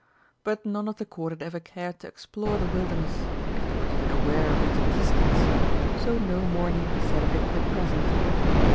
But none of the Court had ever cared to explore the Wilderness, if they were even aware of its existence, so no more need be said of it at present.